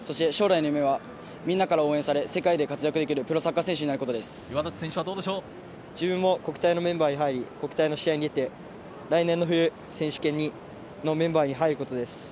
将来の夢はみんなから応援され、世界で活躍できるプロサッカー選自分も国対のメンバーに入り、国体の試合に出て、来年の冬、選手権にメンバーに入ることです。